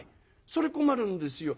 それ困るんですよ。